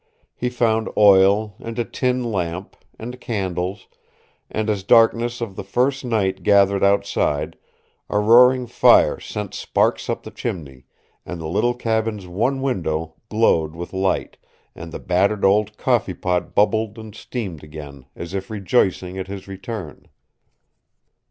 He found oil, and a tin lamp, and candles, and as darkness of the first night gathered outside a roaring fire sent sparks up the chimney, and the little cabin's one window glowed with light, and the battered old coffee pot bubbled and steamed again, as if rejoicing at his return.